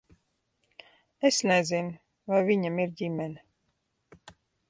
Es nezinu, vai viņam ir ģimene.